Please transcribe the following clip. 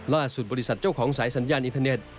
บริษัทเจ้าของสายสัญญาณอินเทอร์เน็ต